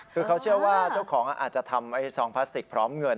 คือเขาเชื่อว่าเจ้าของอาจจะทำซองพลาสติกพร้อมเงิน